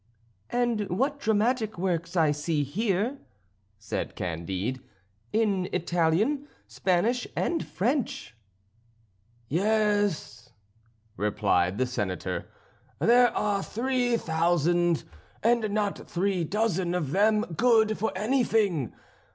"And what dramatic works I see here," said Candide, "in Italian, Spanish, and French." "Yes," replied the Senator, "there are three thousand, and not three dozen of them good for anything.